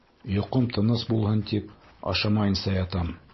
Йоҡом тыныс булһын тип, Ашамайынса ятам.